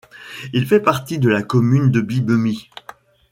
Il fait partie de la commune de Bibemi.